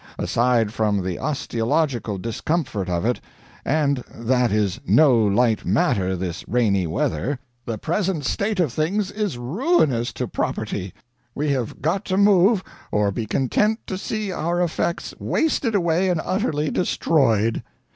Aside from the osteological discomfort of it and that is no light matter this rainy weather the present state of things is ruinous to property. We have got to move or be content to see our effects wasted away and utterly destroyed.